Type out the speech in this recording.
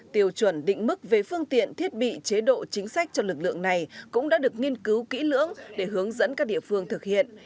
tiều chuẩn định mức về phương tiện thiết bị chế độ chính sách cho lực lượng này cũng đã được nghiên cứu kỹ lưỡng để hướng dẫn các địa phương thực hiện